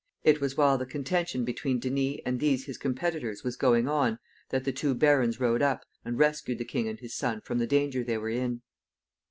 It was while the contention between Denys and these his competitors was going on, that the two barons rode up, and rescued the king and his son from the danger they were in.